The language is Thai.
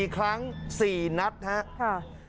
๔ครั้ง๔นัดครับ